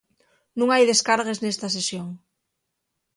Nun hai descargues nesta sesión.